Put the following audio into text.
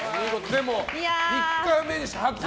でも、３日目にして初。